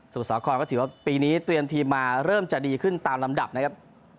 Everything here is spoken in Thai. สาครก็ถือว่าปีนี้เตรียมทีมมาเริ่มจะดีขึ้นตามลำดับนะครับ